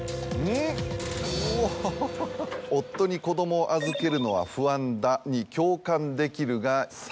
「夫に子どもを預けるのは不安だ」に共感できるが３人。